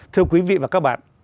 thưa quý vị và các bạn